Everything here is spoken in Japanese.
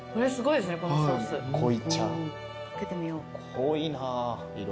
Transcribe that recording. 濃いな色。